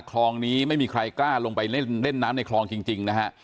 คลองนี้ไม่มีใครกล้าลงไปเล่นน้ำในคลองจริงนะฮะ